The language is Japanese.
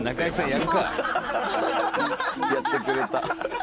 やってくれた。